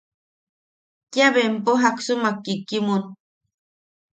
Kia bempo jaksumak kikimun.